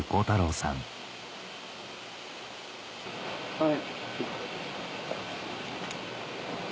はい。